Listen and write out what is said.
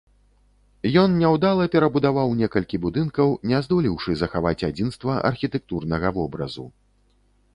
Ён няўдала перабудаваў некалькі будынкаў, не здолеўшы захаваць адзінства архітэктурнага вобразу.